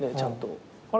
あれ？